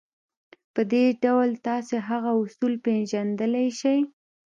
په دې ډول تاسې هغه اصول پېژندلای شئ.